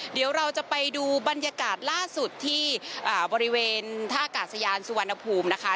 เดี๋ยวเราจะไปดูบรรยากาศล่าสุดที่บริเวณท่าอากาศยานสุวรรณภูมินะคะ